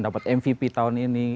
dapat mvp tahun ini